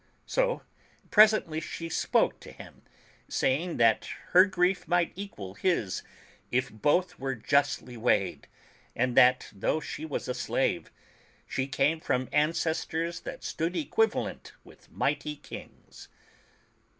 So presently she spoke to him, saying that her grief might equal his, if both were justly weighed, and that, though she was a slave, she came from ancestors^ that stood equivalent with mighty kings.